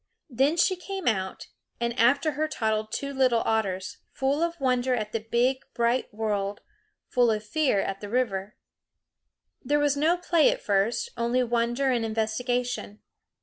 Then she came out, and after her toddled two little otters, full of wonder at the big bright world, full of fear at the river. There was no play at first, only wonder and investigation.